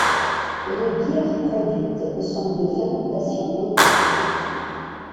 Les bières produites sont de fermentation haute.